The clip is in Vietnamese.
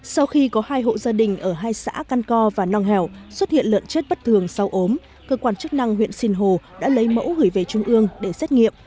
sau khi có hai hộ gia đình ở hai xã căn co và nong hẻo xuất hiện lợn chết bất thường sau ốm cơ quan chức năng huyện sinh hồ đã lấy mẫu gửi về trung ương để xét nghiệm